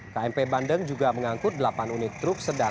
kmp bandeng juga mengangkut delapan unit truk sedang dan empat truk besar